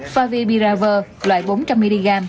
favipiravia loại bốn trăm linh mg